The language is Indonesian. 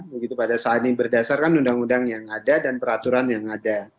begitu pada saat ini berdasarkan undang undang yang ada dan peraturan yang ada